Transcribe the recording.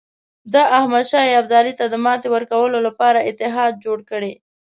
د احمدشاه ابدالي ته د ماتې ورکولو لپاره اتحاد جوړ کړي.